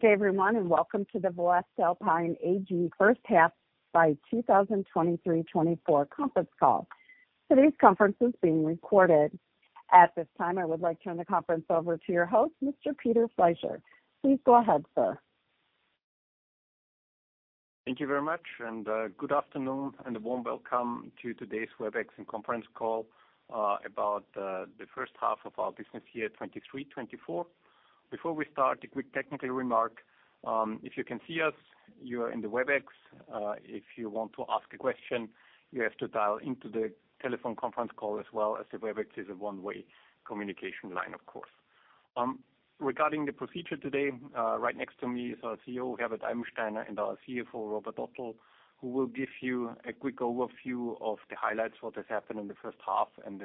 Good day, everyone, and welcome to the voestalpine AG First Half of 2023/2024 Conference Call. Today's conference is being recorded. At this time, I would like to turn the conference over to your host, Mr. Peter Fleischer. Please go ahead, sir. Thank you very much, and good afternoon, and a warm welcome to today's Webex and conference call, about the first half of our business year 2023/24. Before we start, a quick technical remark. If you can see us, you are in the Webex. If you want to ask a question, you have to dial into the telephone conference call, as well as the Webex is a one-way communication line, of course. Regarding the procedure today, right next to me is our CEO, Herbert Eibensteiner, and our CFO, Robert Ottel, who will give you a quick overview of the highlights, what has happened in the first half, and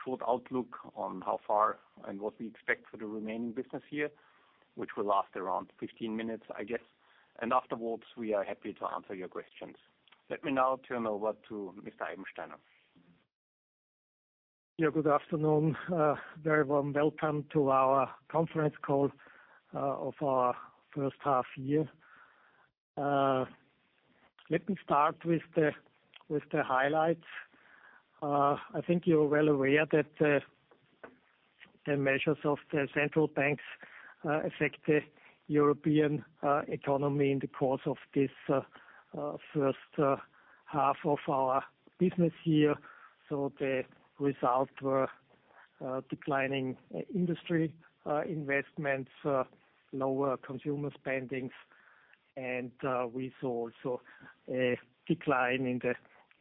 a short outlook on how far and what we expect for the remaining business year, which will last around 15 minutes, I guess. Afterwards, we are happy to answer your questions. Let me now turn over to Mr. Eibensteiner. Yeah, good afternoon. Very warm welcome to our conference call of our first half year. Let me start with the highlights. I think you're well aware that the measures of the central banks affect the European economy in the course of this first half of our business year. So the results were declining industry investments, lower consumer spendings, and we saw also a decline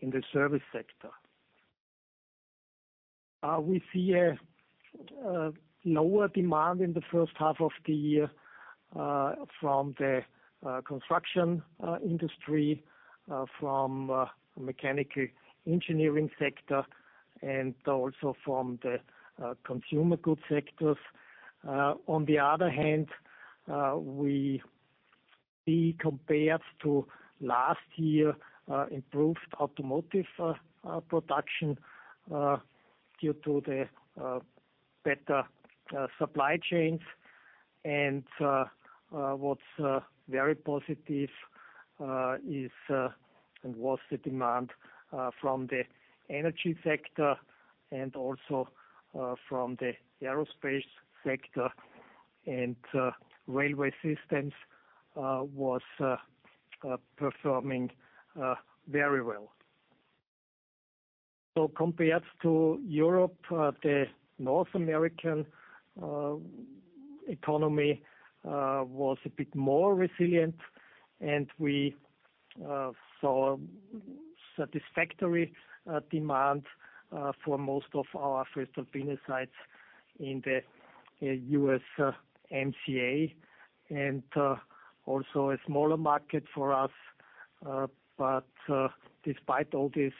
in the service sector. We see a lower demand in the first half of the year from the construction industry, from mechanical engineering sector, and also from the consumer goods sectors. On the other hand, we see, compared to last year, improved automotive production due to the better supply chains. What's very positive is and was the demand from the energy sector and also from the aerospace sector, and railway systems was performing very well. So compared to Europe, the North American economy was a bit more resilient, and we saw satisfactory demand for most of our voestalpine sites in the USMCA, and also a smaller market for us. But despite all this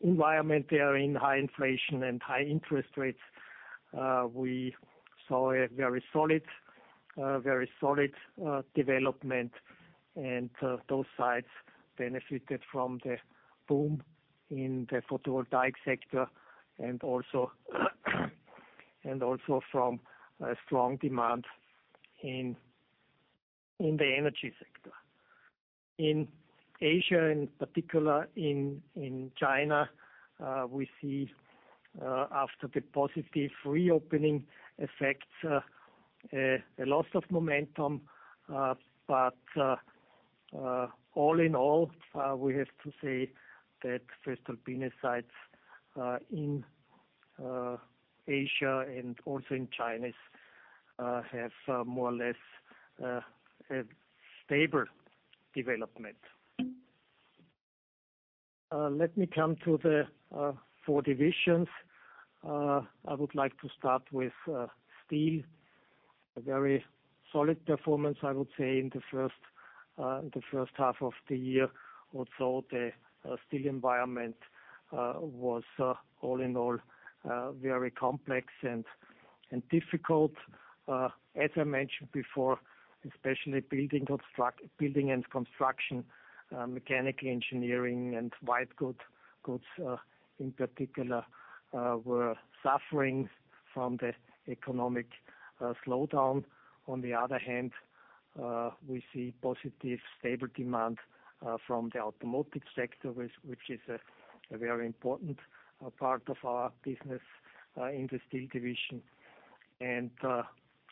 environment there in high inflation and high interest rates, we saw a very solid, very solid development, and those sites benefited from the boom in the photovoltaic sector, and also from a strong demand in the energy sector. In Asia, in particular, in China, we see, after the positive reopening effects, a loss of momentum. But, all in all, we have to say that voestalpine sites, in Asia and also in China, have, more or less, a stable development. Let me come to the four divisions. I would like to start with steel. A very solid performance, I would say, in the first half of the year, although the steel environment was, all in all, very complex and difficult. As I mentioned before, especially building construction, building and construction, mechanical engineering, and white goods, in particular, were suffering from the economic slowdown. On the other hand, we see positive, stable demand from the automotive sector, which is a very important part of our business in the Steel Division. And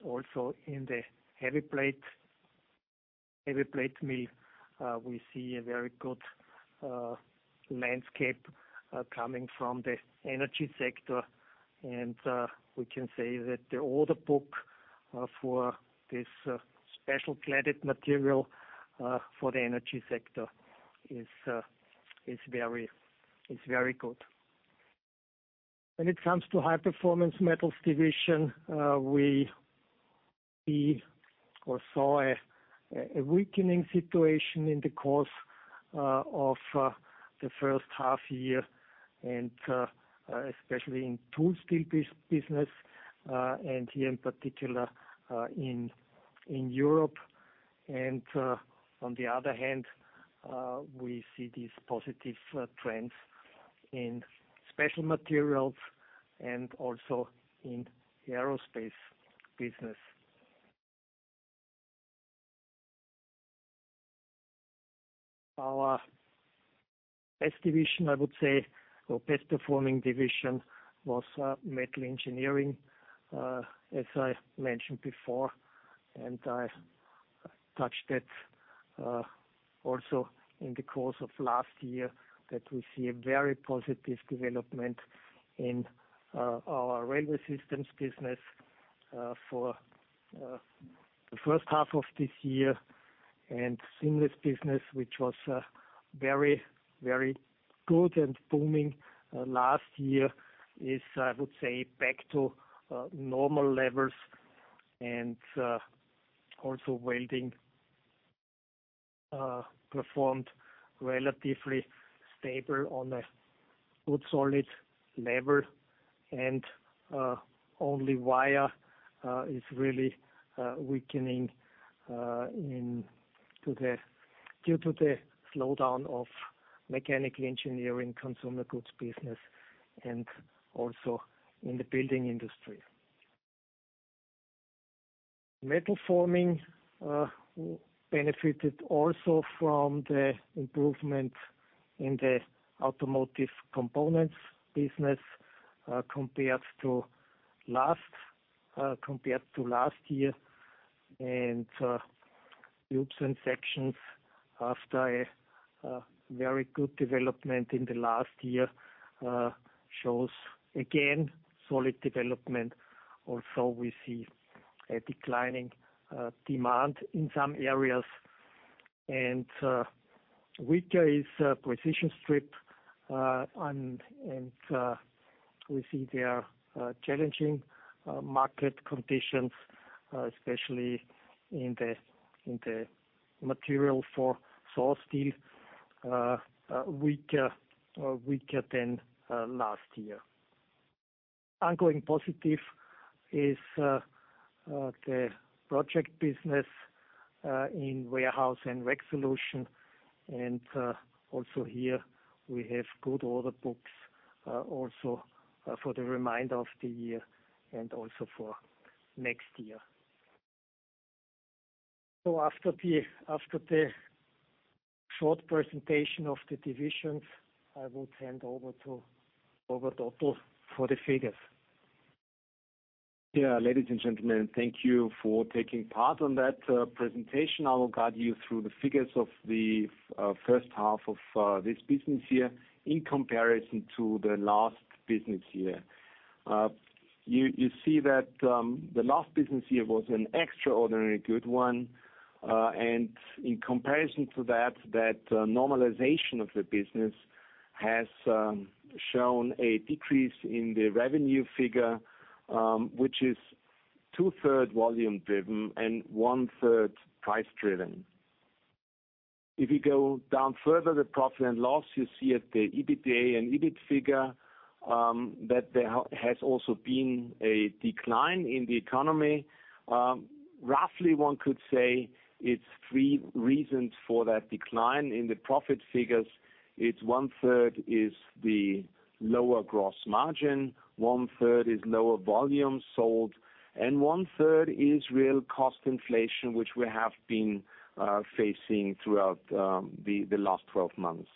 also in the heavy plate mill, we see a very good landscape coming from the energy sector. And we can say that the order book for this special cladded material for the energy sector is very good. When it comes to High Performance Metals Division, we saw a weakening situation in the course of the first half year and especially in tool steel business, and here, in particular, in Europe. And on the other hand, we see these positive trends in special materials and also in the aerospace business. Our best division, I would say, or best performing division, was Metal Engineering, as I mentioned before, and I touched it also in the course of last year, that we see a very positive development in our railway systems business for the first half of this year. Seamless business, which was very, very good and booming last year, is, I would say, back to normal levels. Also welding performed relatively stable on a good, solid level, and only wire is really weakening due to the slowdown of mechanical engineering, consumer goods business, and also in the building industry. Metal Forming benefited also from the improvement in the automotive components business compared to last year. Tubes & Sections, after a very good development in the last year, shows again solid development. Also, we see a declining demand in some areas, and weaker is Precision Strip, and we see there are challenging market conditions, especially in the material for saw steel, weaker than last year. Ongoing positive is the project business in Warehouse & Rack Solutions. And also here, we have good order books, also for the remainder of the year and also for next year. So after the short presentation of the divisions, I will hand over to Robert Ottel for the figures. Yeah, ladies and gentlemen, thank you for taking part on that presentation. I will guide you through the figures of the first half of this business year in comparison to the last business year. You see that the last business year was an extraordinary good one, and in comparison to that, normalization of the business has shown a decrease in the revenue figure, which is two-third volume driven and one-third price driven. If you go down further, the profit and loss, you see at the EBITDA and EBIT figure that there has also been a decline in the economy. Roughly, one could say it's three reasons for that decline in the profit figures. It's one-third is the lower gross margin, one-third is lower volume sold, and one-third is real cost inflation, which we have been facing throughout the last 12 months.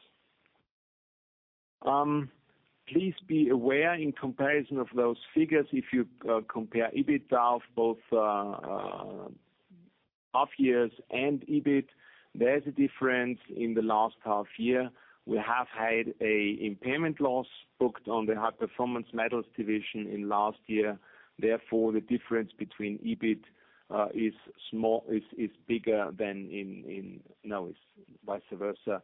Please be aware, in comparison of those figures, if you compare EBIT of both half years and EBIT, there's a difference in the last half year. We have had an impairment loss booked on the High Performance Metals Division in last year. Therefore, the difference between EBIT is bigger than is vice versa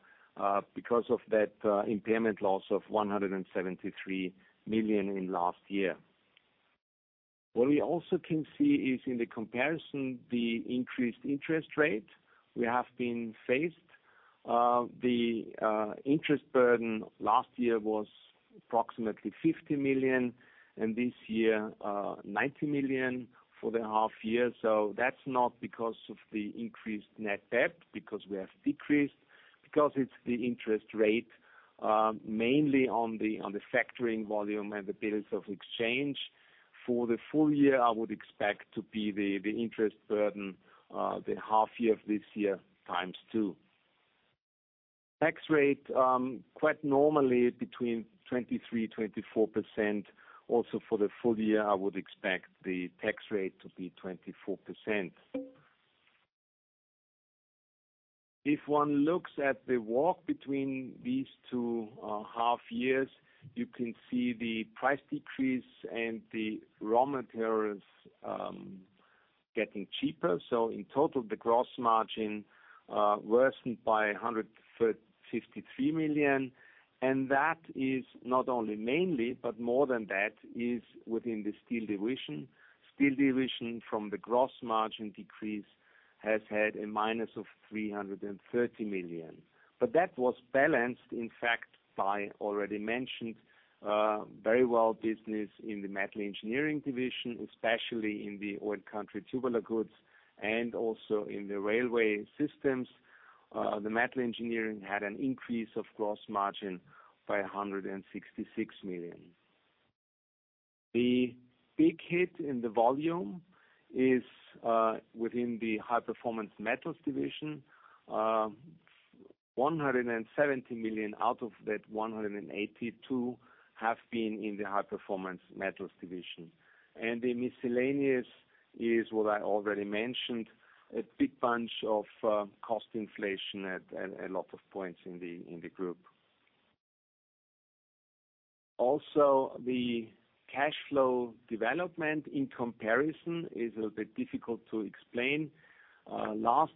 because of that impairment loss of 173 million in last year. What we also can see is in the comparison, the increased interest rate we have been faced. The interest burden last year was approximately 50 million, and this year, 90 million for the half year. So that's not because of the increased net debt, because we have decreased, because it's the interest rate, mainly on the, on the factoring volume and the bills of exchange. For the full year, I would expect to be the, the interest burden, the half year of this year, times two. Tax rate, quite normally between 23%-24%. Also, for the full year, I would expect the tax rate to be 24%. If one looks at the walk between these two, half years, you can see the price decrease and the raw materials, getting cheaper. So in total, the gross margin, worsened by 153 million, and that is not only mainly, but more than that, is within the steel division. Steel division, from the gross margin decrease, has had a minus of 330 million. But that was balanced, in fact, by already mentioned, very well business in the Metal Engineering Division, especially in the oil country tubular goods and also in the railway systems. The Metal Engineering had an increase of gross margin by 166 million. The big hit in the volume is within the High Performance Metals Division. 170 million out of that 182 have been in the High Performance Metals Division. And the miscellaneous is what I already mentioned, a big bunch of cost inflation at a lot of points in the group. Also, the cash flow development in comparison is a bit difficult to explain. Last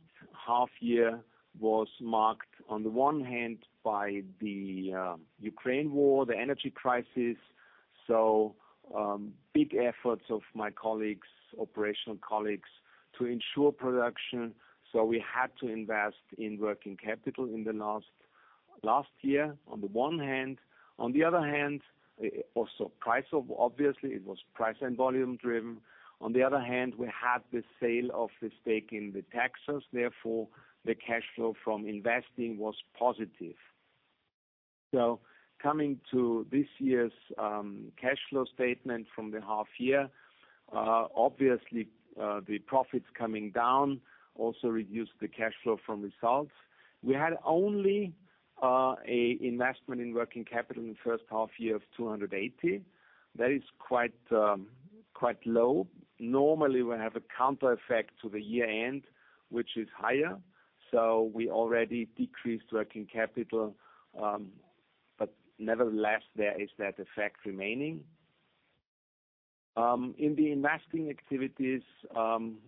half year was marked, on the one hand, by the Ukraine war, the energy crisis, so, big efforts of my colleagues, operational colleagues, to ensure production. So we had to invest in working capital in the last, last year, on the one hand. On the other hand, also price, obviously, it was price and volume-driven. On the other hand, we had the sale of the stake in the Texas, therefore, the cash flow from investing was positive. So coming to this year's cash flow statement from the half year, obviously, the profits coming down also reduced the cash flow from results. We had only a investment in working capital in the first half year of 280 million. That is quite, quite low. Normally, we have a counter effect to the year-end, which is higher, so we already decreased working capital, but nevertheless, there is that effect remaining. In the investing activities,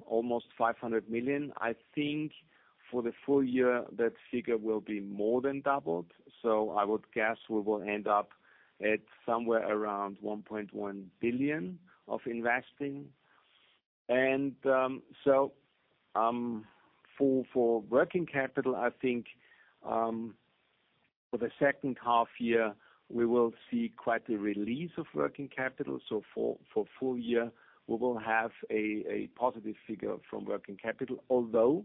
almost 500 million. I think for the full year, that figure will be more than doubled. So I would guess we will end up at somewhere around 1.1 billion of investing. And so for working capital, I think for the second half year, we will see quite a release of working capital. So for full year, we will have a positive figure from working capital, although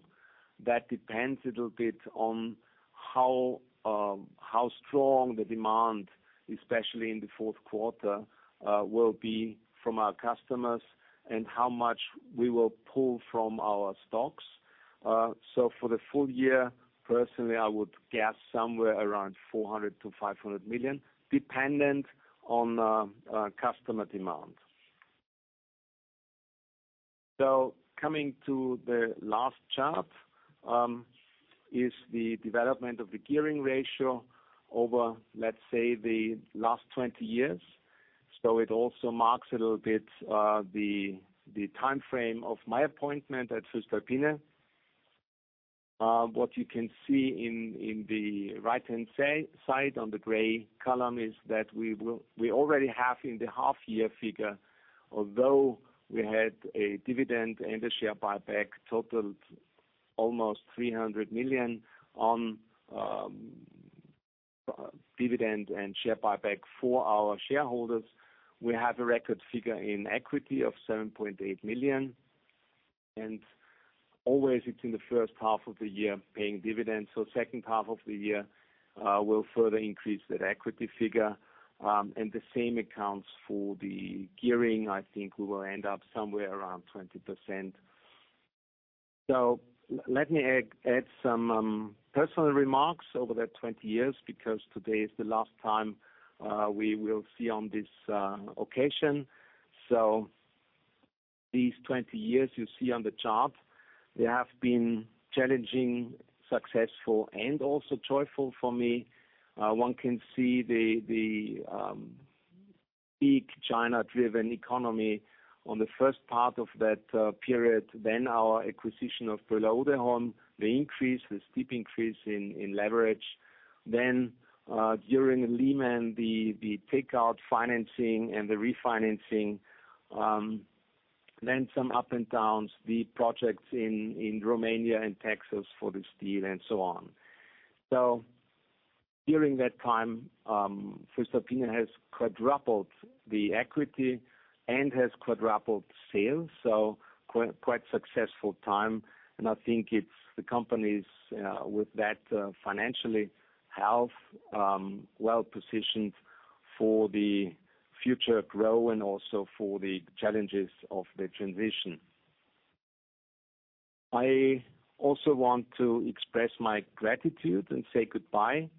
that depends a little bit on how strong the demand, especially in the fourth quarter, will be from our customers and how much we will pull from our stocks. So for the full year, personally, I would guess somewhere around 400 million-500 million, dependent on customer demand. Coming to the last chart, is the development of the gearing ratio over, let's say, the last 20 years. It also marks a little bit the time frame of my appointment at voestalpine. What you can see in the right-hand side, on the gray column, is that we already have in the half year figure, although we had a dividend and a share buyback totaled almost EUR 300 million on dividend and share buyback for our shareholders. We have a record figure in equity of 7.8 million, and always it's in the first half of the year paying dividends. Second half of the year will further increase that equity figure, and the same accounts for the gearing. I think we will end up somewhere around 20%. So let me add some personal remarks over that 20 years, because today is the last time we will see on this occasion. So these 20 years you see on the chart, they have been challenging, successful, and also joyful for me. One can see the big China-driven economy on the first part of that period, then our acquisition of voestalpine, the increase, the steep increase in leverage. Then, during Lehman, the takeout financing and the refinancing, then some up and downs, the projects in Romania and Texas for the steel and so on. So during that time, voestalpine has quadrupled the equity and has quadrupled sales, so quite successful time. I think it's the company's, with that, financial health, well-positioned for the future growth and also for the challenges of the transition. I also want to express my gratitude and say goodbye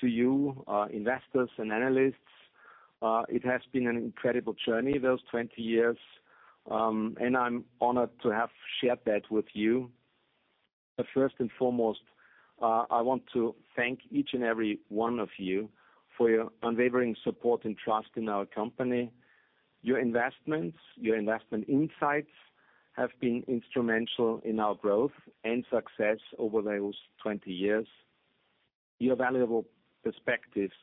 to you, investors and analysts. It has been an incredible journey, those 20 years, and I'm honored to have shared that with you. But first and foremost, I want to thank each and every one of you for your unwavering support and trust in our company. Your investments, your investment insights, have been instrumental in our growth and success over those 20 years. Your valuable perspectives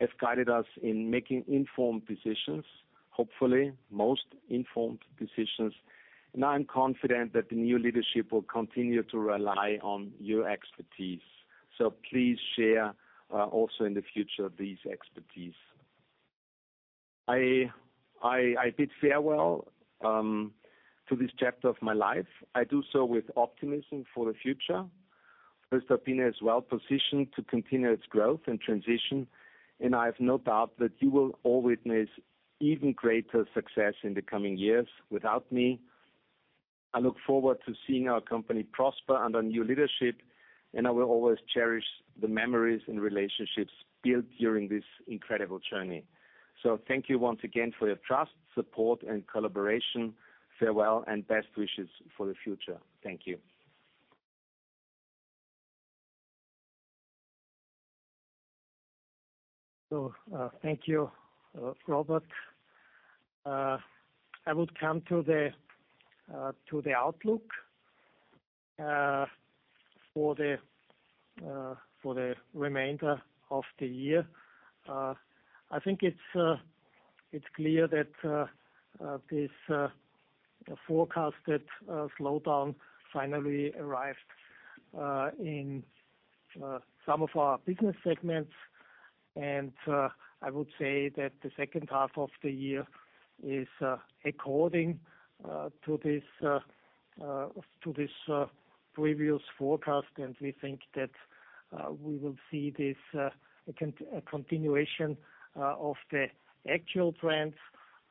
have guided us in making informed decisions, hopefully, most informed decisions, and I'm confident that the new leadership will continue to rely on your expertise. So please share, also in the future, these expertise. I bid farewell to this chapter of my life. I do so with optimism for the future. First, voestalpine is well-positioned to continue its growth and transition, and I have no doubt that you will all witness even greater success in the coming years without me. I look forward to seeing our company prosper under new leadership, and I will always cherish the memories and relationships built during this incredible journey. So thank you once again for your trust, support, and collaboration. Farewell, and best wishes for the future. Thank you. So, thank you, Robert. I would come to the outlook for the remainder of the year. I think it's clear that this forecasted slowdown finally arrived in some of our business segments. And, I would say that the second half of the year is according to this previous forecast, and we think that we will see this continuation of the actual trends.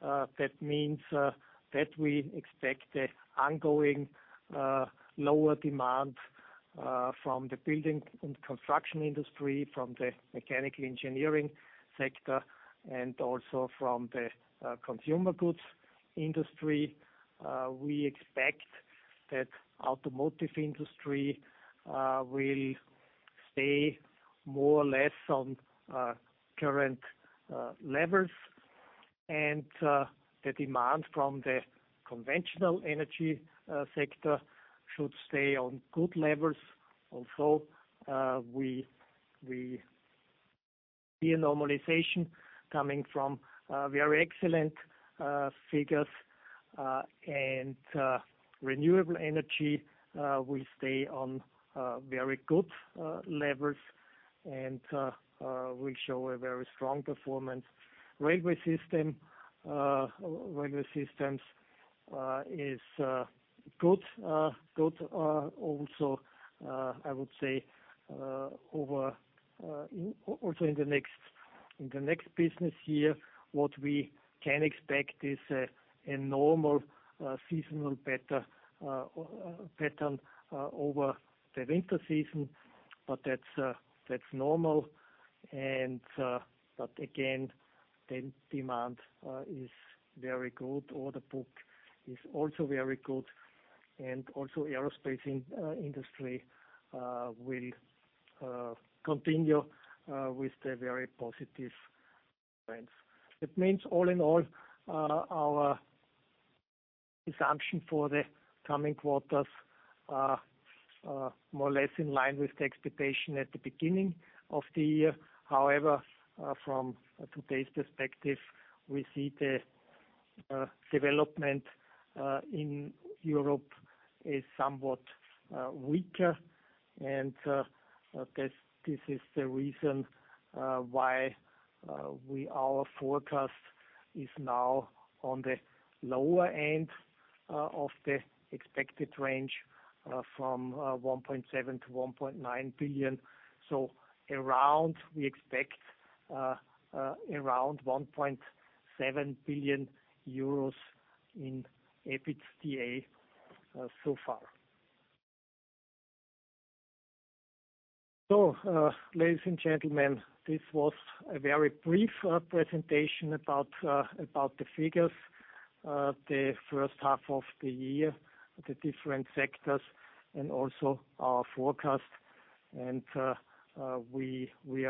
That means that we expect the ongoing lower demand from the building and construction industry, from the mechanical engineering sector, and also from the consumer goods industry. We expect that automotive industry will stay more or less on current levels, and the demand from the conventional energy sector should stay on good levels. Also, we see a normalization coming from very excellent figures, and renewable energy will stay on very good levels and will show a very strong performance. Railway systems is good. Good also, I would say also in the next business year, what we can expect is a normal seasonal better pattern over the winter season, but that's normal. But again, the demand is very good. Order book is also very good, and also aerospace in industry will continue with the very positive trends. It means, all in all, our assumption for the coming quarters are more or less in line with the expectation at the beginning of the year. However, from today's perspective, we see the development in Europe is somewhat weaker, and this is the reason why our forecast is now on the lower end of the expected range from 1.7 billion-1.9 billion. So around, we expect around 1.7 billion euros in EBITDA, so far. So, ladies and gentlemen, this was a very brief presentation about the figures, the first half of the year, the different sectors, and also our forecast. We are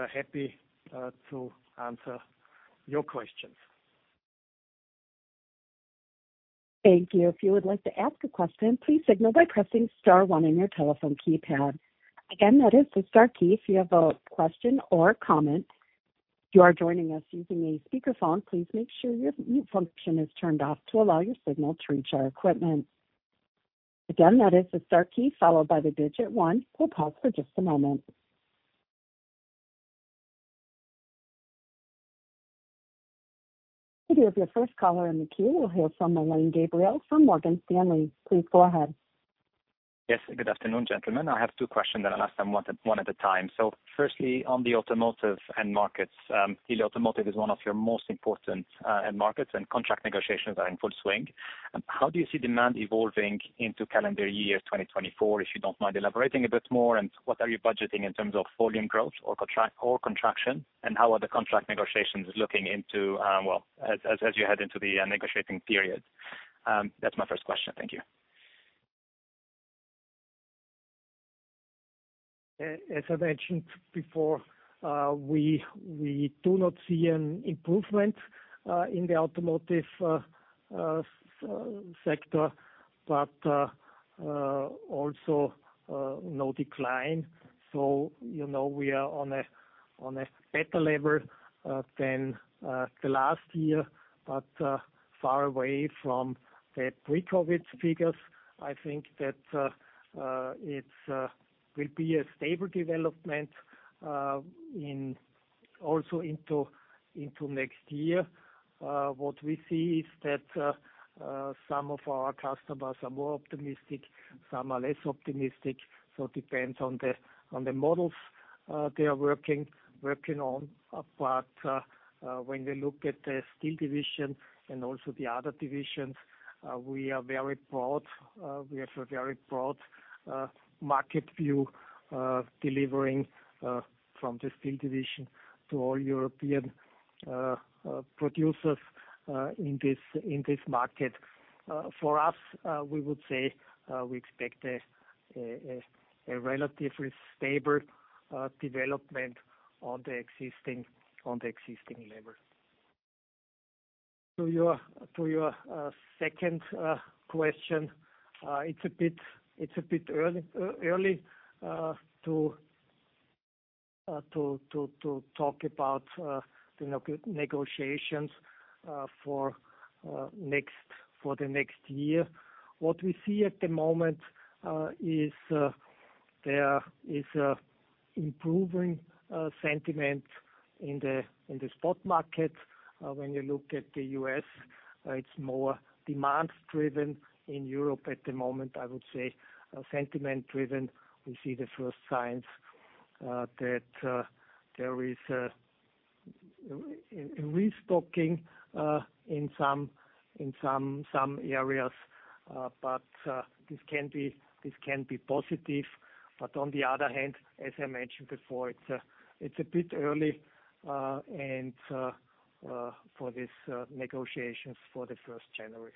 happy to answer your questions. Thank you. If you would like to ask a question, please signal by pressing star one on your telephone keypad. Again, that is the star key, if you have a question or comment. You are joining us using a speakerphone, please make sure your mute function is turned off to allow your signal to reach our equipment. Again, that is the star key followed by the digit one. We'll pause for just a moment. We have your first caller in the queue. We'll hear from Alain Gabriel from Morgan Stanley. Please go ahead. Yes, good afternoon, gentlemen. I have two questions, and I'll ask them one at a time. So firstly, on the automotive end markets, automotive is one of your most important end markets, and contract negotiations are in full swing. How do you see demand evolving into calendar year 2024, if you don't mind elaborating a bit more? And what are you budgeting in terms of volume growth or contract, or contraction? And how are the contract negotiations looking into, well, as you head into the negotiating period? That's my first question. Thank you. As I mentioned before, we do not see an improvement in the automotive sector, but also no decline. So, you know, we are on a better level than the last year, but far away from the pre-COVID figures. I think that it will be a stable development also into next year. What we see is that some of our customers are more optimistic, some are less optimistic. So it depends on the models they are working on. But when we look at the steel division and also the other divisions, we are very broad. We have a very broad market view, delivering from the steel division to all European producers in this market. For us, we would say, we expect a relatively stable development on the existing level. To your second question, it's a bit early to talk about the negotiations for the next year. What we see at the moment is there is an improving sentiment in the spot market. When you look at the US, it's more demand driven. In Europe at the moment, I would say, sentiment driven. We see the first signs that there is a restocking in some areas. But this can be positive. But on the other hand, as I mentioned before, it's a bit early and for this negotiations for the first January.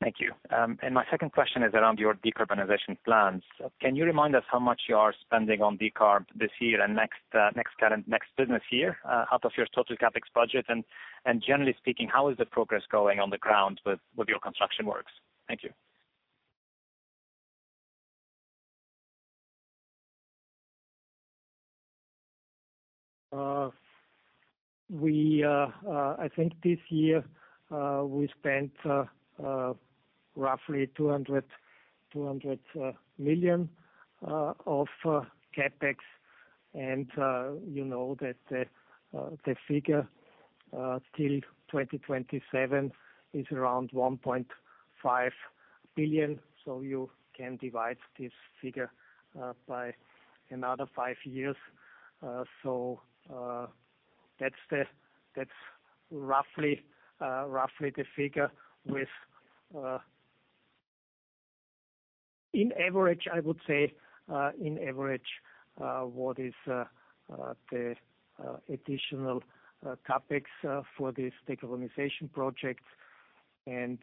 Thank you. And my second question is around your decarbonization plans. Can you remind us how much you are spending on decarb this year and next, next current, next business year, out of your total CapEx budget? And generally speaking, how is the progress going on the ground with your construction works? Thank you. I think this year, we spent roughly EUR 200 million of CapEx. And, you know, that the figure till 2027 is around 1.5 billion. So you can divide this figure by another 5 years. So, that's roughly the figure. In average, I would say, in average, what is the additional CapEx for this decarbonization project. And,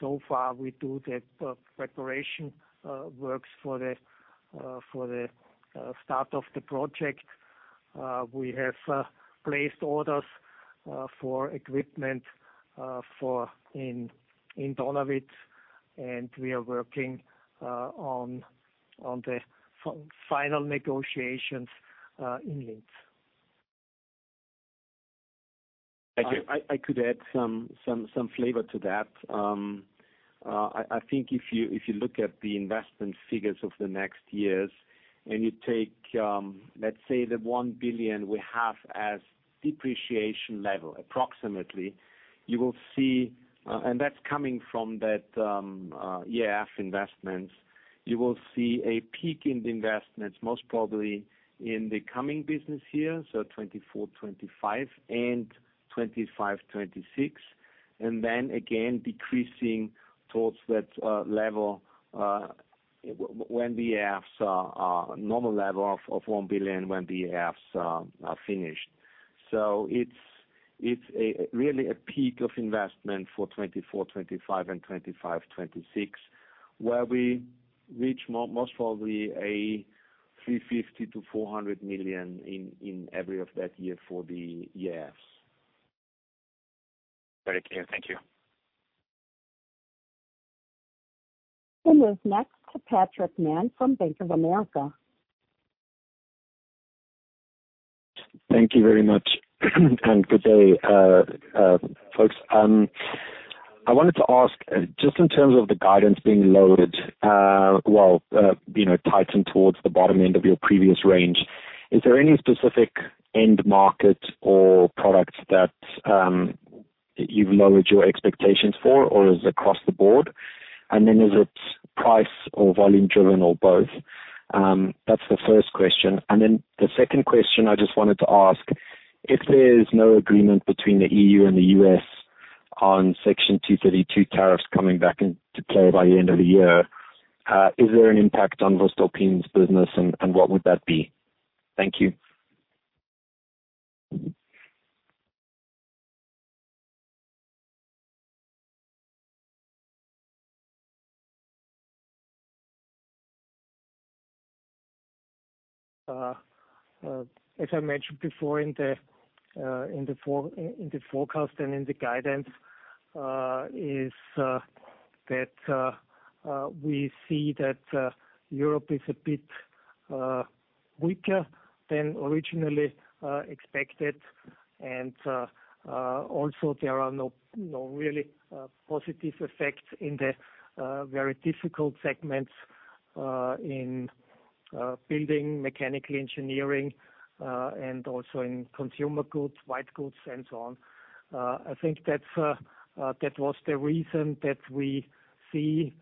so far, we do the preparation works for the start of the project. We have placed orders for equipment in Donawitz, and we are working on the final negotiations in Linz. Thank you. I could add some flavor to that. I think if you look at the investment figures of the next years, and you take, let's say, the 1 billion we have as depreciation level, approximately, you will see, and that's coming from that, EAF investments. You will see a peak in the investments, most probably in the coming business year, so 2024, 2025 and 2025, 2026. And then again, decreasing towards that level, when the EAF's normal level of 1 billion, when the EAFs are finished. So it's a really a peak of investment for 2024, 2025 and 2025, 2026, where we reach most probably a 350 million-400 million in every of that year for the EAFs. Very clear. Thank you. We move next to Patrick Mann from Bank of America. Thank you very much and good day, folks. I wanted to ask, just in terms of the guidance being loaded, you know, tightened towards the bottom end of your previous range. Is there any specific end market or products that you've lowered your expectations for, or is it across the board? And then is it price or volume driven or both? That's the first question. And then the second question, I just wanted to ask, if there is no agreement between the EU and the U.S. on Section 232 tariffs coming back into play by the end of the year, is there an impact on voestalpine's business, and what would that be? Thank you. As I mentioned before in the forecast and in the guidance, is that we see that Europe is a bit weaker than originally expected. Also there are no really positive effects in the very difficult segments in building, mechanical engineering, and also in consumer goods, white goods, and so on. I think that's that was the reason that we see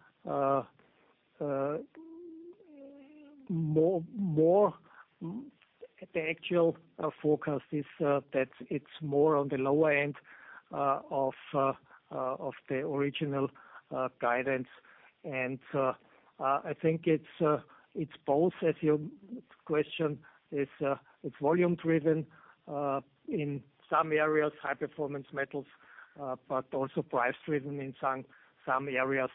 more the actual forecast is that it's more on the lower end of the original guidance. And I think it's both, as your question is, it's volume driven in some areas, High Performance Metals, but also price driven in some areas.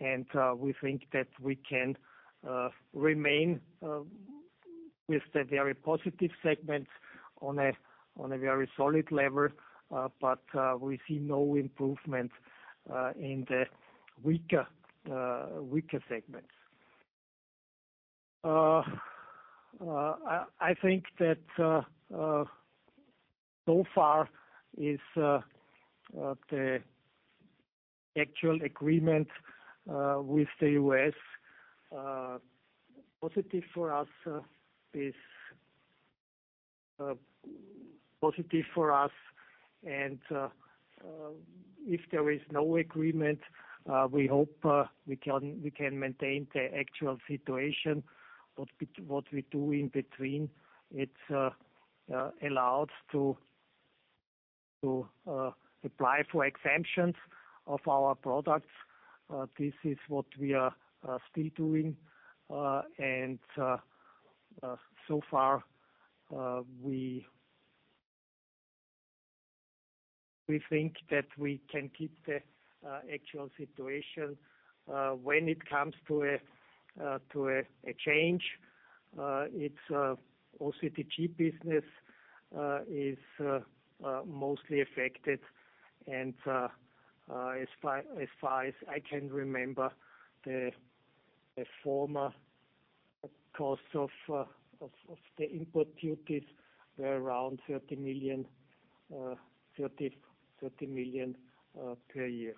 We think that we can remain with the very positive segments on a very solid level, but we see no improvement in the weaker segments. I think that so far the actual agreement with the U.S. is positive for us, is positive for us. And if there is no agreement, we hope we can maintain the actual situation. What we do in between, it allows to apply for exemptions of our products. This is what we are still doing. And so far, we think that we can keep the actual situation. When it comes to a change, it's also the steel business is mostly affected. And as far as I can remember, the former cost of the input duties were around 30 million per year.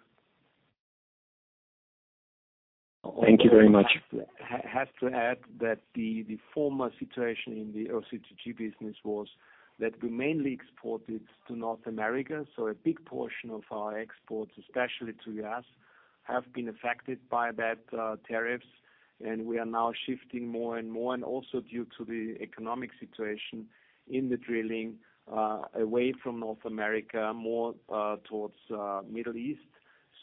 Thank you very much. I have to add that the former situation in the OCTG business was that we mainly exported to North America, so a big portion of our exports, especially to U.S., have been affected by that tariffs. And we are now shifting more and more, and also due to the economic situation in the drilling away from North America, more towards Middle East.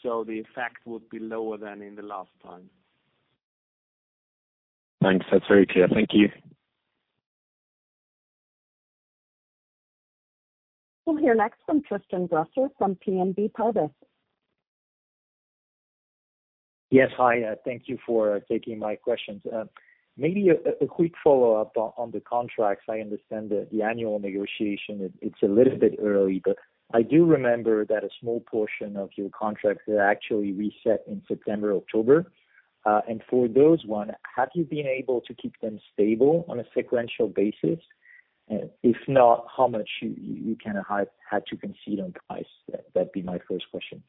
So the effect would be lower than in the last time. Thanks. That's very clear. Thank you. We'll hear next from Tristan Gresser from BNP Paribas. Yes, hi, thank you for taking my questions. Maybe a quick follow-up on the contracts. I understand that the annual negotiation, it's a little bit early, but I do remember that a small portion of your contracts are actually reset in September, October. And for those one, have you been able to keep them stable on a sequential basis? If not, how much you kinda have had to concede on price? That'd be my first question.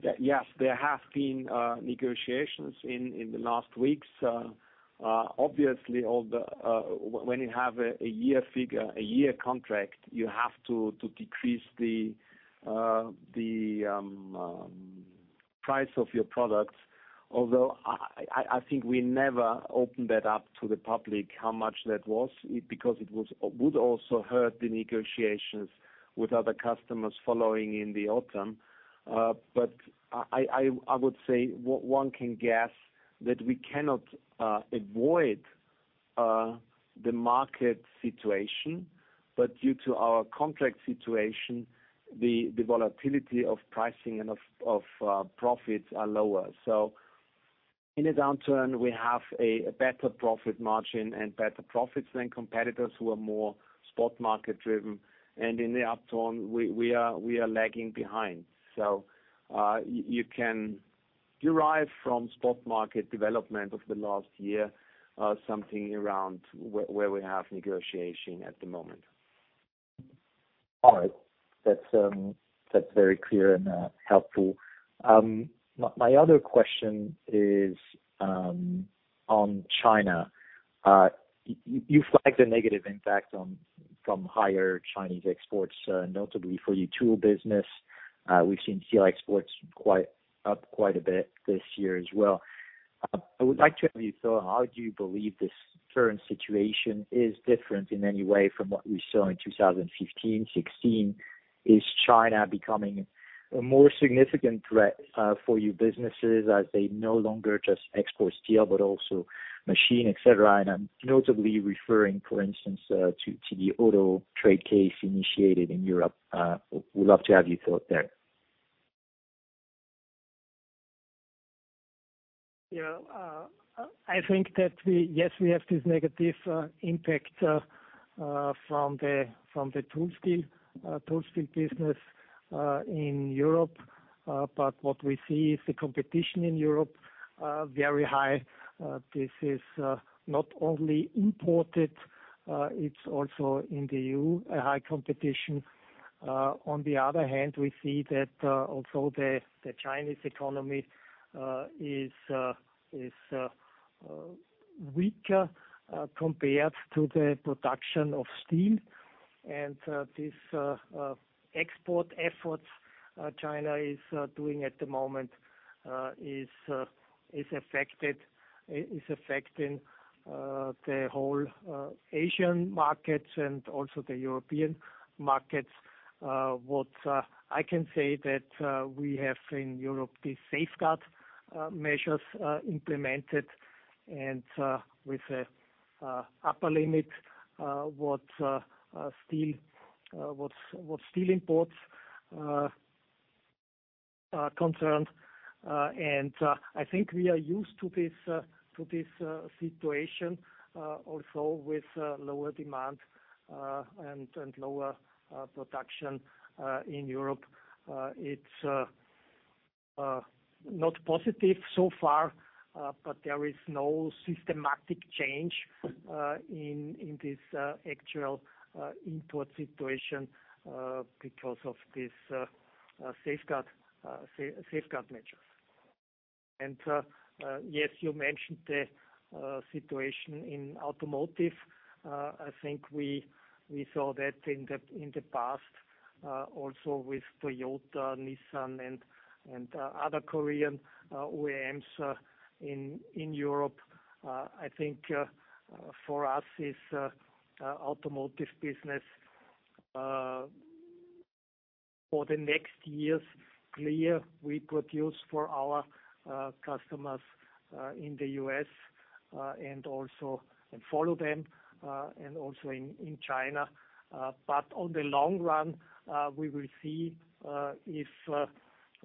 Yeah. Yes, there have been negotiations in the last weeks. Obviously, all the... When you have a year figure, a year contract, you have to decrease the price of your products. Although, I think we never opened that up to the public, how much that was, because it would also hurt the negotiations with other customers following in the autumn. But, I would say, one can guess that we cannot avoid the market situation, but due to our contract situation, the volatility of pricing and of profits are lower. So in a downturn, we have a better profit margin and better profits than competitors who are more spot market-driven. And in the upturn, we are lagging behind. So, you can derive from spot market development of the last year, something around where we have negotiation at the moment. All right. That's very clear and helpful. My other question is on China. You flagged the negative impact from higher Chinese exports, notably for your tool business. We've seen steel exports up quite a bit this year as well. I would like to have your thought, how do you believe this current situation is different in any way from what we saw in 2015, 2016? Is China becoming a more significant threat for your businesses, as they no longer just export steel, but also machine, et cetera? And I'm notably referring, for instance, to the auto trade case initiated in Europe. Would love to have you thought there. Yeah, I think that we, yes, we have this negative impact from the tool steel business in Europe. But what we see is the competition in Europe very high. This is not only imported, it's also in the EU, a high competition. On the other hand, we see that although the Chinese economy is weaker compared to the production of steel, and this export efforts China is doing at the moment is affecting the whole Asian markets and also the European markets. What I can say is that we have in Europe the safeguard measures implemented and with an upper limit as far as steel imports are concerned. And I think we are used to this situation also with lower demand and lower production in Europe. It's not positive so far, but there is no systematic change in this actual import situation because of these safeguard measures. And yes, you mentioned the situation in automotive. I think we saw that in the past also with Toyota, Nissan, and other Korean OEMs in Europe. I think, for us, is, automotive business, for the next years, clear we produce for our, customers, in the U.S., and also, and follow them, and also in, in China. But on the long run, we will see, if,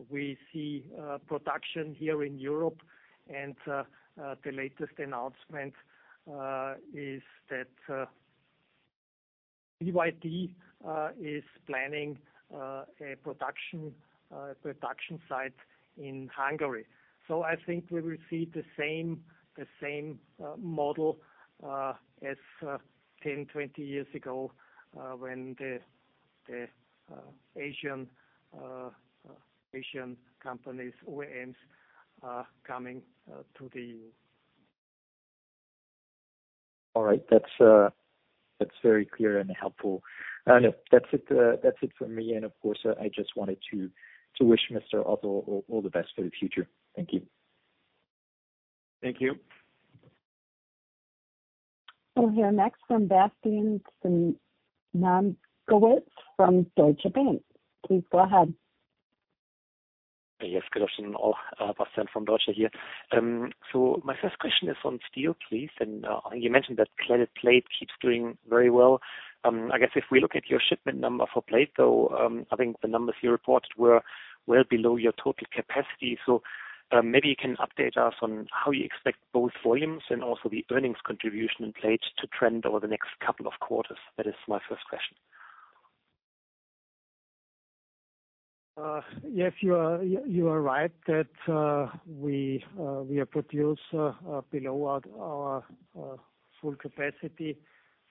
we see, production here in Europe. And, the latest announcement, is that, BYD, is planning, a production, production site in Hungary. So I think we will see the same, the same, model, as, 10, 20 years ago, when the, the, Asian, Asian companies, OEMs, are coming, to the E.U. All right. That's, that's very clear and helpful. No, that's it, that's it for me. And of course, I just wanted to, to wish Mr. Ottel all, all the best for the future. Thank you. Thank you. We'll hear next from Bastian Synagowitz from Deutsche Bank. Please go ahead. Yes, good afternoon, all. Bastian from Deutsche here. So my first question is on steel, please. And you mentioned that cladded plate keeps doing very well. I guess if we look at your shipment number for plate, though, I think the numbers you reported were well below your total capacity. So maybe you can update us on how you expect both volumes and also the earnings contribution in plate to trend over the next couple of quarters. That is my first question. Yes, you are right that we are produced below our full capacity.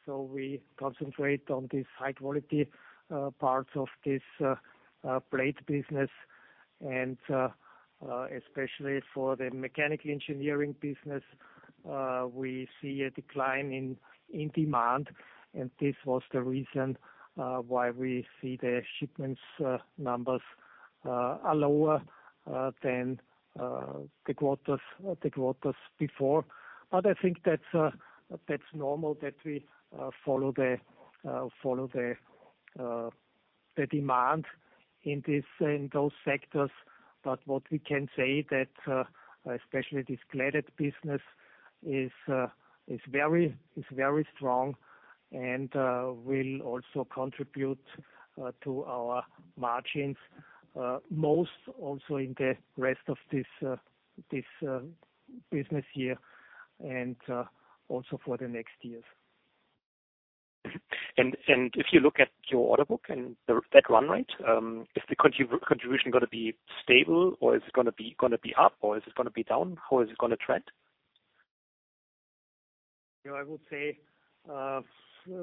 So we concentrate on this high quality parts of this plate business. And especially for the mechanical engineering business, we see a decline in demand, and this was the reason why we see the shipments numbers are lower than the quarters before. But I think that's normal, that we follow the demand in those sectors. But what we can say that especially this cladded business is very strong and will also contribute to our margins most also in the rest of this business year and also for the next years. And if you look at your order book and that run rate, is the contribution gonna be stable, or is it gonna be up, or is it gonna be down? How is it gonna trend? You know, I would say,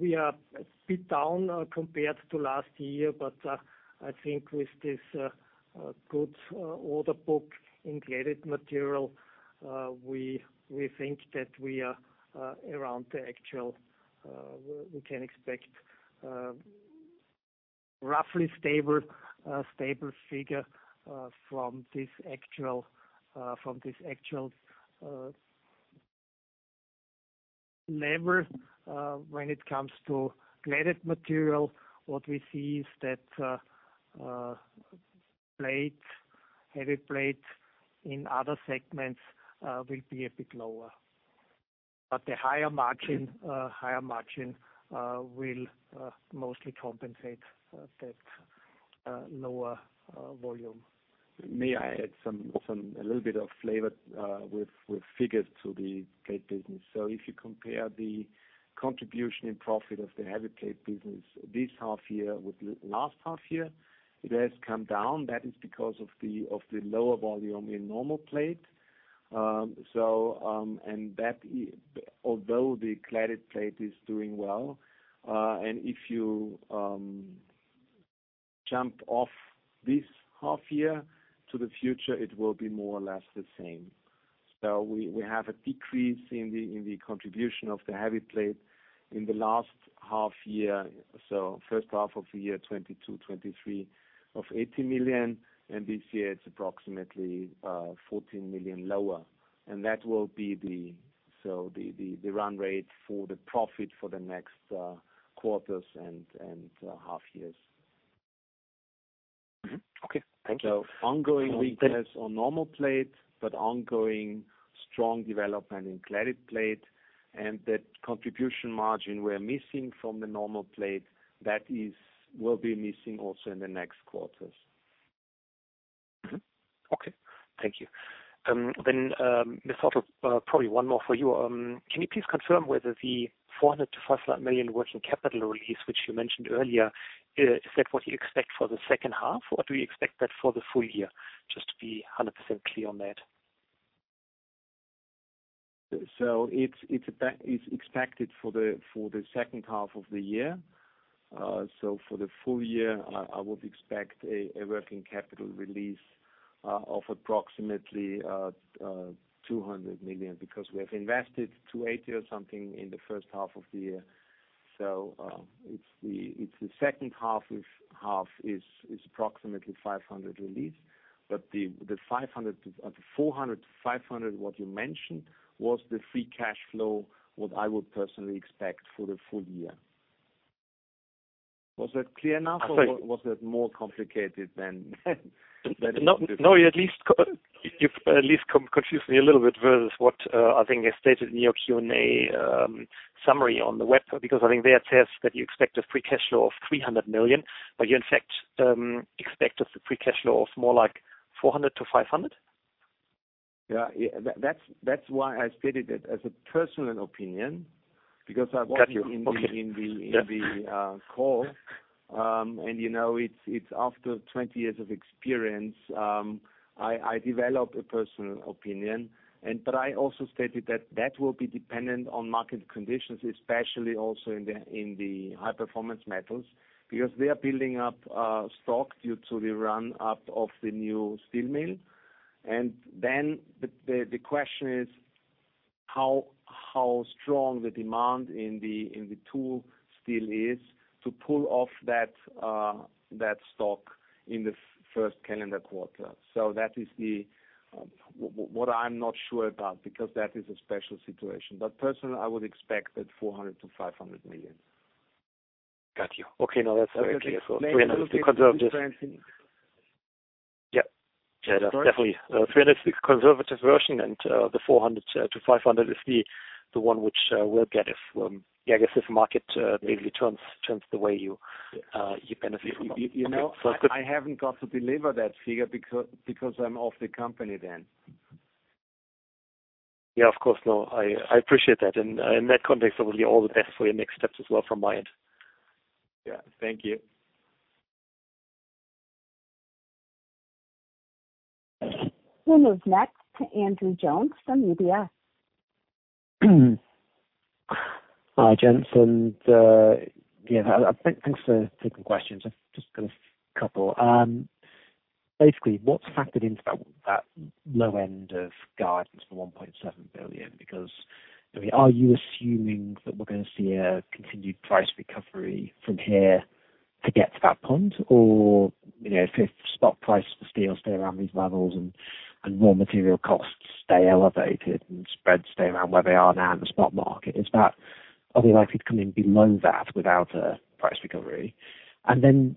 we are a bit down, compared to last year, but, I think with this, good, order book in cladded material, we, we think that we are, around the actual, we can expect, roughly stable, stable figure, from this actual, from this actual, level. When it comes to cladded material, what we see is that, plate, heavy plate in other segments, will be a bit lower, but the higher margin, higher margin, will mostly compensate that lower volume. May I add some a little bit of flavor with figures to the plate business? So if you compare the contribution and profit of the heavy plate business this half year with the last half year, it has come down. That is because of the lower volume in normal plate. So, and that is, although the cladded plate is doing well, and if you jump off this half year to the future, it will be more or less the same. So we have a decrease in the contribution of the heavy plate in the last half year. So first half of the year 2022/23 of 80 million, and this year it's approximately 14 million lower. That will be the run rate for the profit for the next quarters and half years. Mm-hmm. Okay. Thank you. Ongoing weakness on normal plate, but ongoing strong development in cladded plate. That contribution margin we're missing from the normal plate, that is, will be missing also in the next quarters. Mm-hmm. Okay. Thank you. Then, Mr. Ottel, probably one more for you. Can you please confirm whether the 400 million-500 million working capital release, which you mentioned earlier, is that what you expect for the second half, or do you expect that for the full year? Just to be 100% clear on that. So it's expected for the second half of the year. So for the full year, I would expect a working capital release of approximately 200 million, because we have invested 280 or something in the first half of the year. So the second half is approximately 500 million release. But the 500 million, 400 million-500 million, what you mentioned, was the free cash flow what I would personally expect for the full year. Was that clear enough? I think- Or was that more complicated than it should be? No, no, you at least, you've at least confused me a little bit versus what I think is stated in your Q&A summary on the web. Because I think there it says that you expect a free cash flow of 300 million, but you in fact expect a free cash flow of more like 400 million-500 million? Yeah. That's why I stated it as a personal opinion, because I want you in the call. And, you know, it's after 20 years of experience, I developed a personal opinion. But I also stated that that will be dependent on market conditions, especially also in the high performance metals, because they are building up stock due to the run up of the new steel mill. And then the question is, how strong the demand in the tool steel is to pull off that stock in the first calendar quarter. So that is what I'm not sure about, because that is a special situation. But personally, I would expect that 400 million-500 million. Got you. Okay, now that's very clear. So the conservative- Yeah. Yeah, that's definitely EUR 300 million is the conservative version, and the 400 million-500 million is the one which we'll get if, yeah, I guess, if market maybe turns, turns the way you you benefit from. You know, I haven't got to deliver that figure because I'm off the company then. Yeah, of course. No, I appreciate that. And, in that context, I wish you all the best for your next steps as well from my end. Yeah. Thank you. We'll move next to Andrew Jones from UBS. Hi, gents, and yeah, thanks for taking questions. I've just got a couple. Basically, what's factored into that, that low end of guidance for 1.7 billion? Because, I mean, are you assuming that we're gonna see a continued price recovery from here to get to that point? Or, you know, if spot price for steel stay around these levels and raw material costs stay elevated and spreads stay around where they are now in the spot market, is that, are we likely to come in below that without a price recovery? And then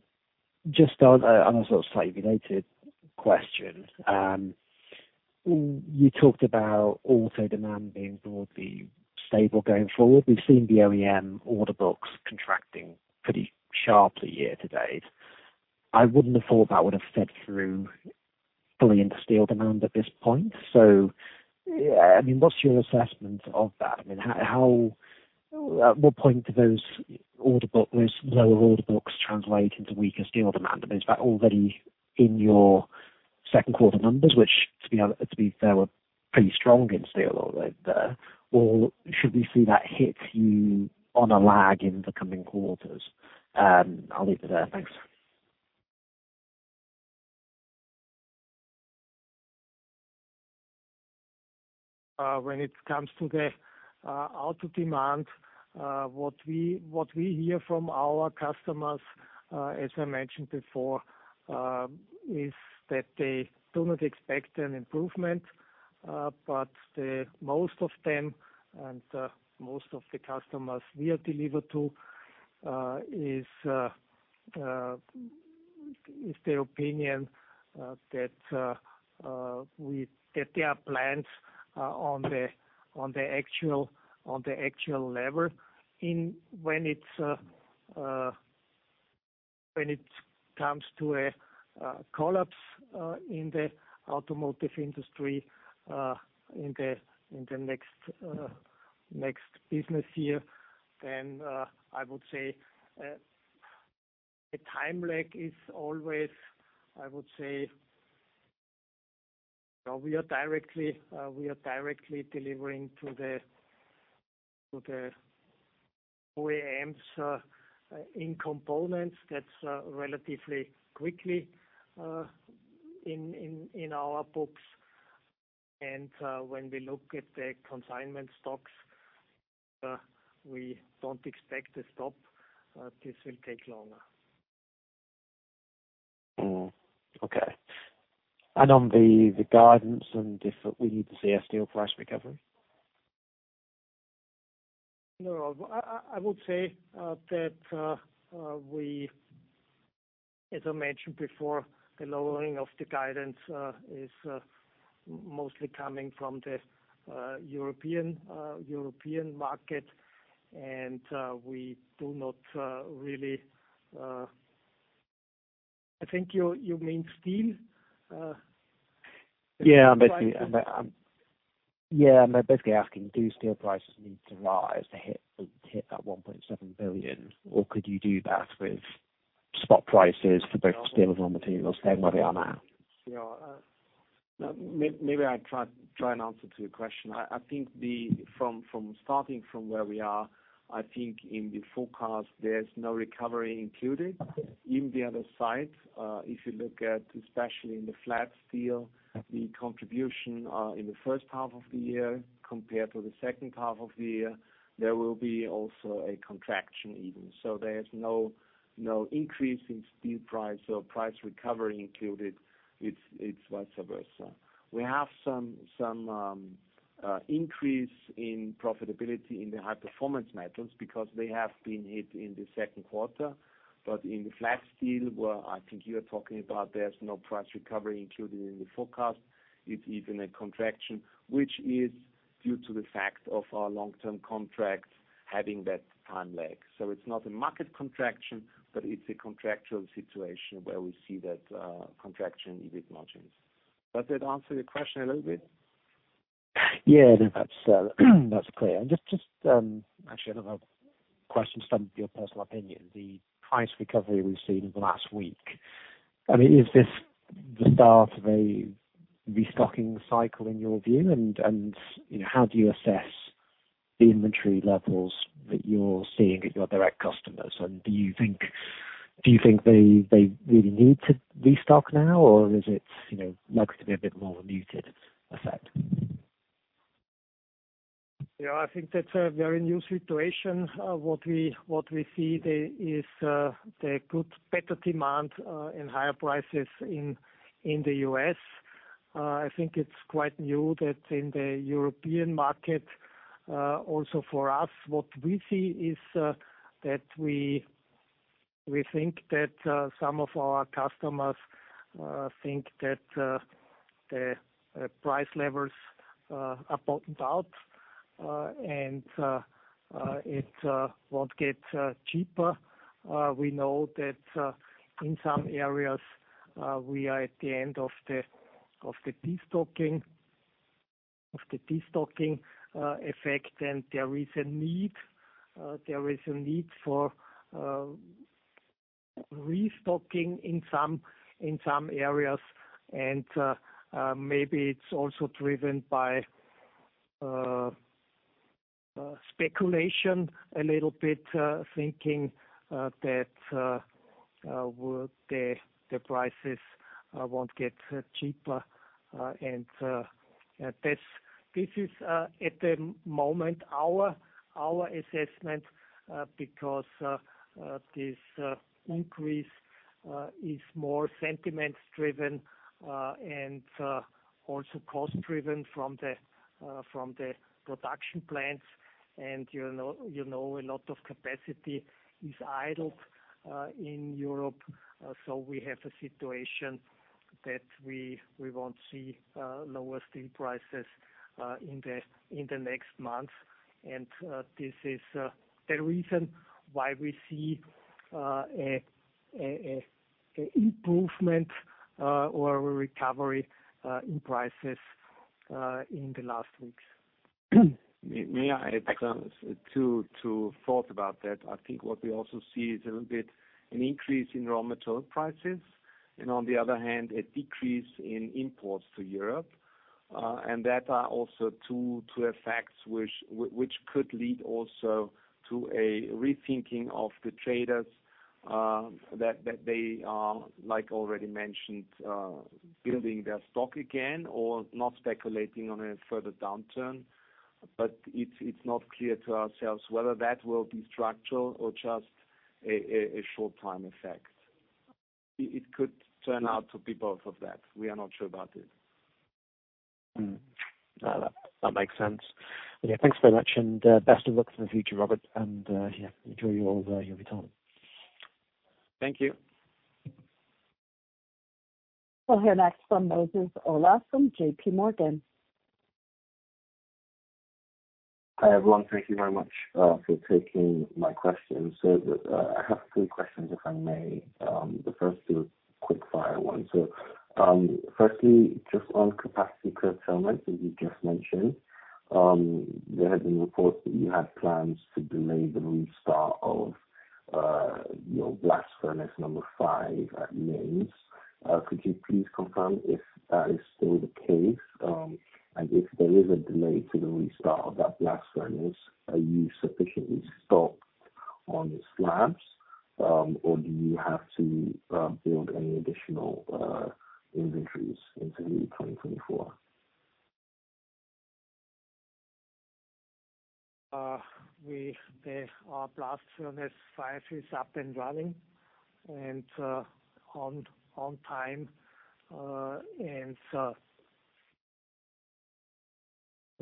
just on a sort of slightly related question, you talked about auto demand being broadly stable going forward. We've seen the OEM order books contracting pretty sharply year to date. I wouldn't have thought that would have fed through fully into steel demand at this point. So, I mean, what's your assessment of that? I mean, how at what point do those order books, those lower order books translate into weaker steel demand? I mean, is that already in your second quarter numbers, which to be fair, were pretty strong in steel over there? Or should we see that hit you on a lag in the coming quarters? I'll leave it there. Thanks. When it comes to the auto demand, what we hear from our customers, as I mentioned before, is that they do not expect an improvement. But the most of them and most of the customers we deliver to, is, is the opinion that there are plans on the actual level when it comes to a collapse in the automotive industry in the next business year, then I would say a time lag is always, I would say, we are directly delivering to the OEMs in components that's relatively quickly in our books. And when we look at the consignment stocks, we don't expect a stop, this will take longer. Okay. On the guidance and if we need to see a steel price recovery? No, I would say that we, as I mentioned before, the lowering of the guidance is mostly coming from the European market, and we do not really... I think you mean steel? Yeah, I'm basically asking, do steel prices need to rise to hit that 1.7 billion? Or could you do that with spot prices for both steel and raw materials, where they are now? Yeah. Maybe I try and answer to your question. I think the... From starting from where we are, I think in the forecast, there's no recovery included. Okay. In the other side, if you look at, especially in the flat steel, the contribution, in the first half of the year compared to the second half of the year, there will be also a contraction even. So there's no, no increase in steel price or price recovery included, it's vice versa. We have some increase in profitability in the high performance metals, because they have been hit in the second quarter. But in the flat steel, well, I think you are talking about there's no price recovery included in the forecast. It's even a contraction, which is due to the fact of our long-term contracts having that time lag. So it's not a market contraction, but it's a contractual situation where we see that contraction in margins. Does that answer your question a little bit? Yeah, that's clear. And just actually, another question. Some of your personal opinion, the price recovery we've seen in the last week, I mean, is this the start of a restocking cycle in your view? And you know, how do you assess the inventory levels that you're seeing at your direct customers? And do you think they really need to restock now, or is it, you know, likely to be a bit more of a muted effect? Yeah, I think that's a very new situation. What we see there is the good, better demand and higher prices in the US. I think it's quite new that in the European market, also for us, what we see is that we think that some of our customers think that the price levels are bottomed out and it won't get cheaper. We know that in some areas we are at the end of the destocking effect, and there is a need for restocking in some areas, and maybe it's also driven by speculation a little bit, thinking that well, the prices won't get cheaper. And this is at the moment our assessment because this increase is more sentiment driven and also cost driven from the production plants. And, you know, you know, a lot of capacity is idled in Europe. So we have a situation that we won't see lower steel prices in the next month. This is the reason why we see an improvement or a recovery in prices in the last weeks. May I add two, two thoughts about that? I think what we also see is a little bit an increase in raw material prices, and on the other hand, a decrease in imports to Europe. And that are also two, two effects which could lead also to a rethinking of the traders, that, that they are, like, already mentioned, building their stock again or not speculating on a further downturn. But it's, it's not clear to ourselves whether that will be structural or just a short-time effect. It, it could turn out to be both of that. We are not sure about it. Hmm. No, that, that makes sense. Okay, thanks very much, and best of luck for the future, Robert, and yeah, enjoy your, your retirement. Thank you. We'll hear next from Moses Ola from JP Morgan. Hi, everyone. Thank you very much for taking my questions. So I have three questions, if I may. The first two, quick-fire ones. So, firstly, just on capacity curtailment, as you just mentioned, there had been reports that you had plans to delay the restart of your Blast Furnace #5 at Linz. Could you please confirm if that is still the case? And if there is a delay to the restart of that blast furnace, are you sufficiently stocked on the slabs, or do you have to build any additional inventories into 2024? Our Blast Furnace 5 is up and running and on time.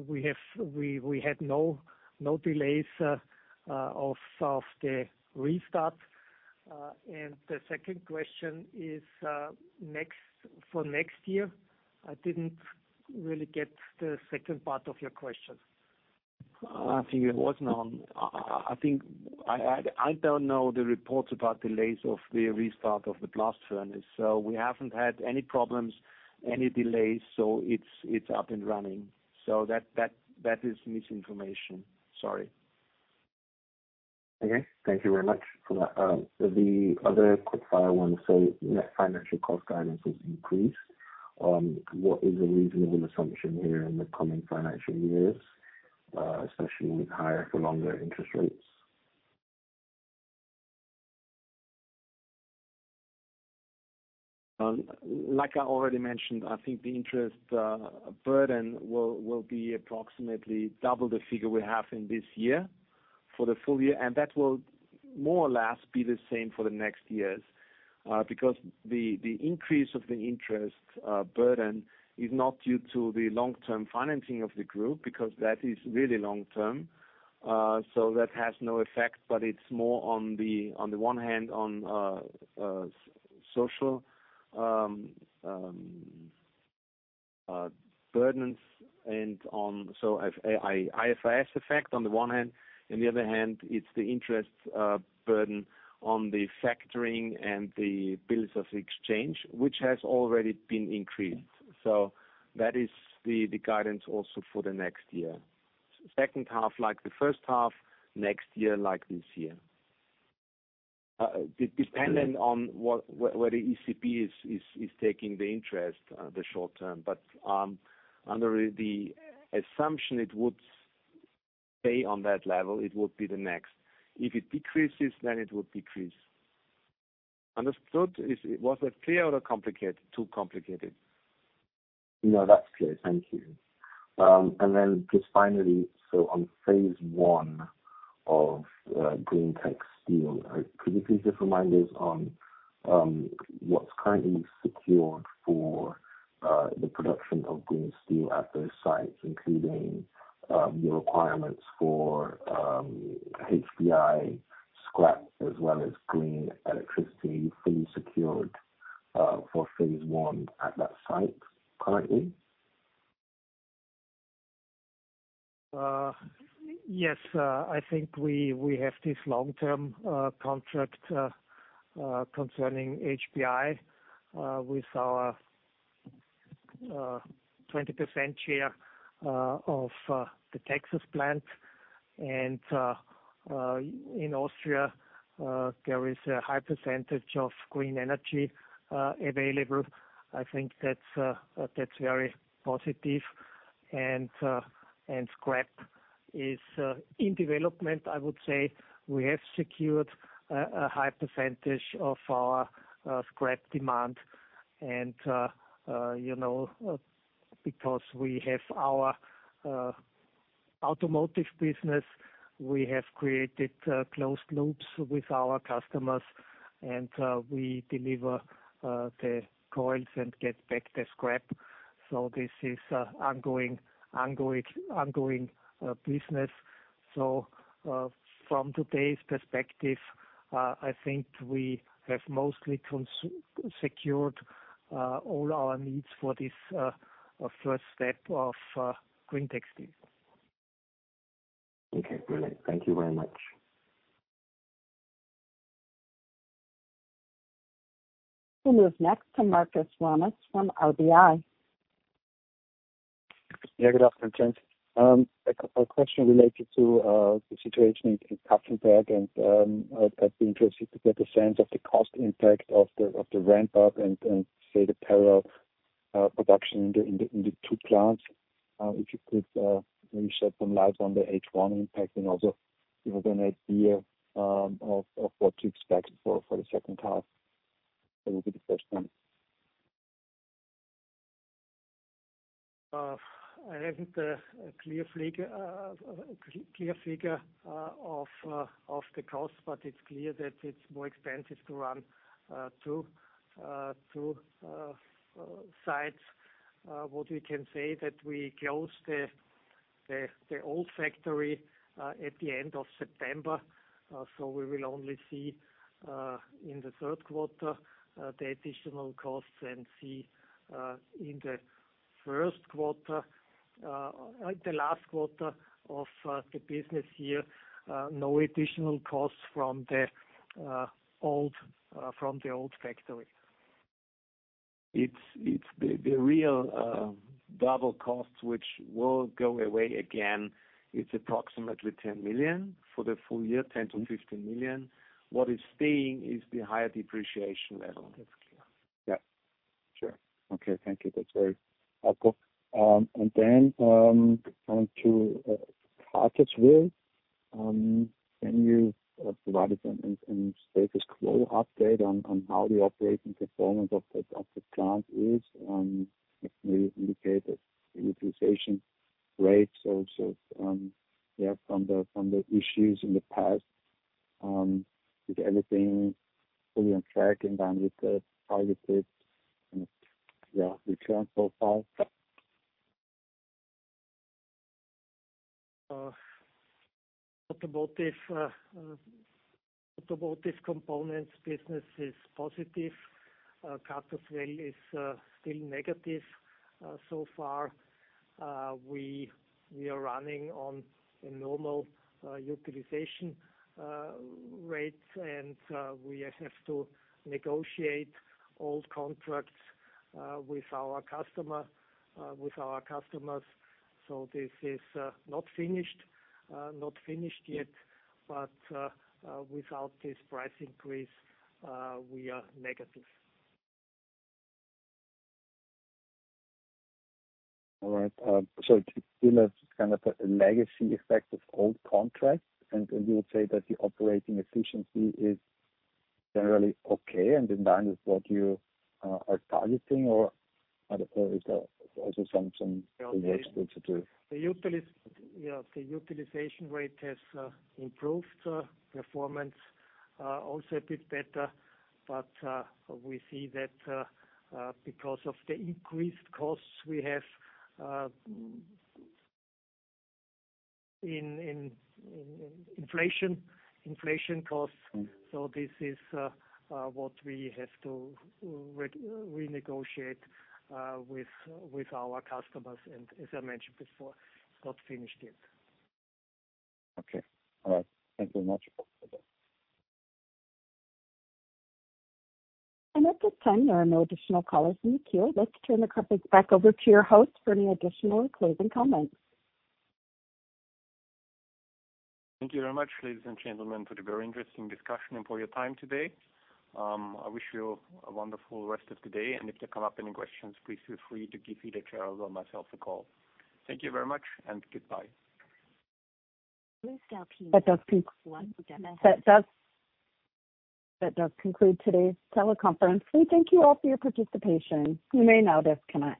We had no delays of the restart. The second question is next, for next year? I didn't really get the second part of your question. I think it was on. I think I don't know the reports about delays of the restart of the blast furnace. So we haven't had any problems, any delays, so it's up and running. So that is misinformation. Sorry. Okay, thank you very much for that. The other quick-fire one, so net financial cost guidance is increased. What is a reasonable assumption here in the coming financial years, especially with higher for longer interest rates? Like I already mentioned, I think the interest burden will be approximately double the figure we have in this year for the full year, and that will more or less be the same for the next years. Because the increase of the interest burden is not due to the long-term financing of the group, because that is really long term. So that has no effect, but it's more on the one hand on social burdens and on IFRS effect, on the one hand, on the other hand, it's the interest burden on the factoring and the bills of exchange, which has already been increased. So that is the guidance also for the next year. Second half, like the first half, next year, like this year. Depending on what, where the ECB is taking the interest, the short term. But under the assumption it would stay on that level, it would be the next. If it decreases, then it would decrease. Understood? Was that clear or complicated, too complicated? No, that's clear. Thank you. And then just finally, so on phase one of greentec steel, could you please just remind us on what's currently secured for the production of green steel at those sites, including the requirements for HBI scrap, as well as green electricity being secured for phase one at that site currently? Yes, I think we have this long-term contract concerning HBI with our 20% share of the Texas plant. In Austria, there is a high percentage of green energy available. I think that's very positive. Scrap is in development, I would say we have secured a high percentage of our scrap demand. You know, because we have our automotive business, we have created closed loops with our customers, and we deliver the coils and get back the scrap. So this is ongoing, ongoing, ongoing business. From today's perspective, I think we have mostly secured all our needs for this first step of greentec steel. Okay, brilliant. Thank you very much. We'll move next to Markus Remis from RBI. Yeah, good afternoon. A question related to the situation in Kapfenberg, and I'd be interested to get a sense of the cost impact of the ramp up and say the parallel production in the two plants. If you could maybe shed some light on the H1 impact and also give an idea of what to expect for the second half. That will be the first one. I haven't a clear figure of the cost, but it's clear that it's more expensive to run two sites. What we can say that we closed the old factory at the end of September. So we will only see in the third quarter the additional costs and see in the first quarter the last quarter of the business year no additional costs from the old factory. It's the real double costs, which will go away again. It's approximately 10 million for the full year, 10 million-15 million. What is staying is the higher depreciation level. That's clear. Yeah, sure. Okay, thank you. That's very helpful. And then, on to Cartersville. Can you provide us a status quo update on how the operating performance of the plant is, maybe indicate that the utilization rates also, yeah, from the issues in the past. Is everything fully on track in line with the targeted, and, yeah, return profile? Automotive components business is positive. Cartersville is still negative. So far, we are running on a normal utilization rate, and we have to negotiate old contracts with our customer, with our customers. So this is not finished, not finished yet, but without this price increase, we are negative. All right. So it still has kind of a legacy effect of old contracts, and you would say that the operating efficiency is generally okay, and in line with what you are targeting, or, I don't know, is also some- The utilization rate has improved performance also a bit better. But we see that because of the increased costs we have in inflation costs. Mm. So this is what we have to renegotiate with our customers, and as I mentioned before, not finished yet. Okay. All right. Thank you much for that. At this time, there are no additional callers in the queue. Let's turn the conference back over to your host for any additional closing comments. Thank you very much, ladies and gentlemen, for the very interesting discussion and for your time today. I wish you a wonderful rest of the day, and if you come up any questions, please feel free to give either Gerald or myself a call. Thank you very much and goodbye. That does conclude today's teleconference. We thank you all for your participation. You may now disconnect.